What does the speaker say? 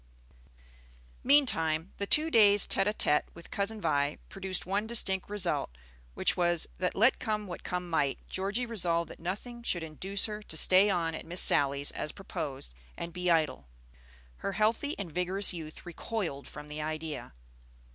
Meantime the two days' tête à tête with Cousin Vi produced one distinct result, which was, that let come what come might, Georgie resolved that nothing should induce her to stay on at Miss Sally's as proposed, and be idle. Her healthy and vigorous youth recoiled from the idea.